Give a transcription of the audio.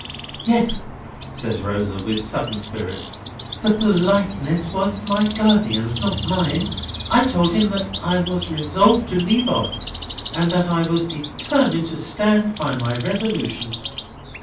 "Yes," says Rosa, with sudden spirit, "The politeness was my guardian's, not mine. I told him that I was resolved to leave off, and that I was determined to stand by my resolution."